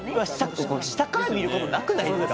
下から見ることなくないですか。